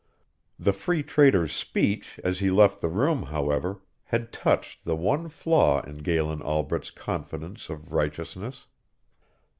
The Free Trader's speech as he left the room, however, had touched the one flaw in Galen Albret's confidence of righteousness.